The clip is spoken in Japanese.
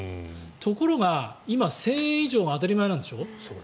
ところが今、１０００円以上が当たり前なんでしょ？